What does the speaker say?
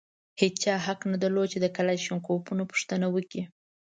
هېچا حق نه درلود چې د کلاشینکوفونو پوښتنه وکړي.